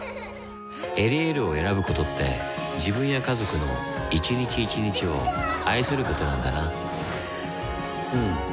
「エリエール」を選ぶことって自分や家族の一日一日を愛することなんだなうん。